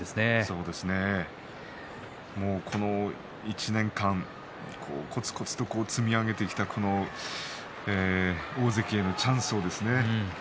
そうですね、この１年間こつこつと積み上げてきた大関のチャンスをですね